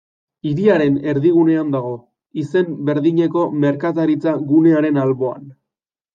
Hiriaren erdigunean dago, izen berdineko merkataritza-gunearen alboan.